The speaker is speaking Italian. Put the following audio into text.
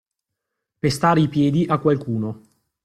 Pestare i piedi a qualcuno.